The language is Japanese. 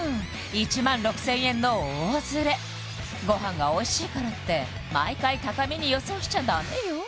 １万６０００円の大ズレご飯がおいしいからって毎回高めに予想しちゃダメよ